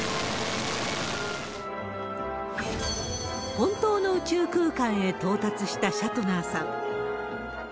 本当の宇宙空間へ到達したシャトナーさん。